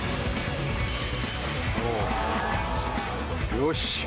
よし！